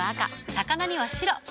魚には白。